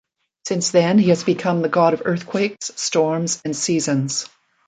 Since then he has become the god of earthquakes, storms and seasons.